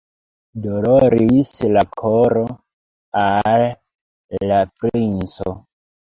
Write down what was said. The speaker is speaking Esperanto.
Doloris la koro al la princo!